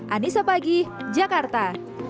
anissa pagi jakarta